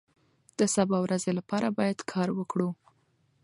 د سبا ورځې لپاره باید کار وکړو.